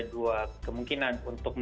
dua kemungkinan untuk